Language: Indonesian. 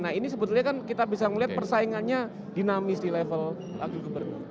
nah ini sebetulnya kan kita bisa melihat persaingannya dinamis di level wakil gubernur